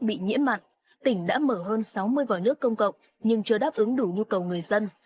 bị nhiễm mặn tỉnh đã mở hơn sáu mươi vòi nước công cộng nhưng chưa đáp ứng đủ nhu cầu người dân